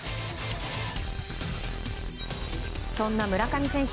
そんな村上選手